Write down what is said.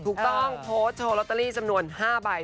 ถูกต้องโพสต์โชว์ลอตเตอรี่จำนวน๕ใบ